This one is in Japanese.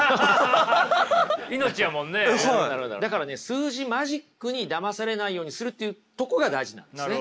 数字マジックにだまされないようにするっていうとこが大事なんですね。